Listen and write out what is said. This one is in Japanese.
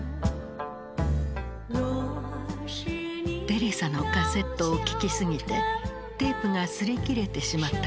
テレサのカセットを聴き過ぎてテープが擦り切れてしまったという。